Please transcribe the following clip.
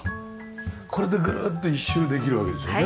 これでぐるっと一周できるわけですよね。